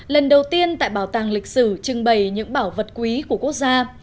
lần đầu tiên tại bảo tàng lịch sử trưng bày những bảo vật quý của quốc gia